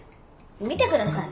見てください。